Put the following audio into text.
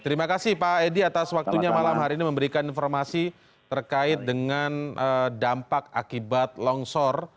terima kasih pak edi atas waktunya malam hari ini memberikan informasi terkait dengan dampak akibat longsor